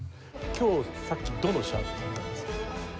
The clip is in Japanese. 今日さっき「ドのシャープ」だったんですよ。